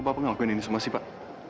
aku bapak gak ngelakuin ini semua sih pak